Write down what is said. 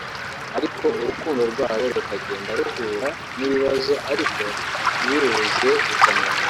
ariko urukundo rwabo rukagenda ruhura n’ibibazo ariko ntibirubuze gukomera